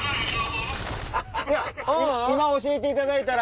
今教えていただいたら。